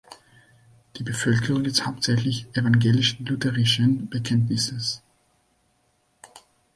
Die Bevölkerung ist hauptsächlich evangelisch-lutherischen Bekenntnisses.